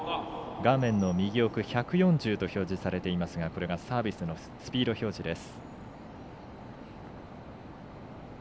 １４０と表示されましたがこれがサービスのスピード表示です。